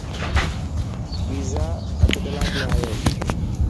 پيزا اڍ ڪلاڪ ۾ آيو.